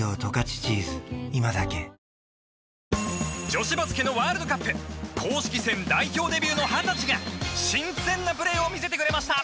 女子バスケのワールドカップ公式戦代表デビューの二十歳が新鮮なプレーを見せてくれました。